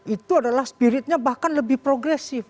itu adalah spiritnya bahkan lebih progresif